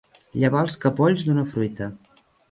Llevar els capolls d'una fruita.